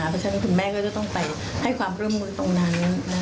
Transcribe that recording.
เพราะฉะนั้นคุณแม่ก็จะต้องไปให้ความร่วมมือตรงนั้น